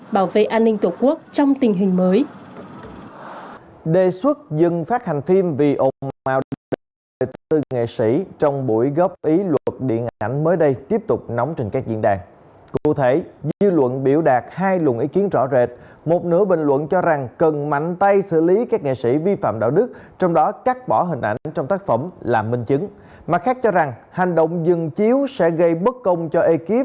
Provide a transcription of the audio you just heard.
bảo vệ an ninh tổ quốc trong tình hình mới